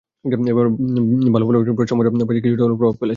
এবার ভালো ফলের পেছনে প্রশ্নপত্র ফাঁসের বিষয়টি কিছুটা হলেও প্রভাব ফেলেছে।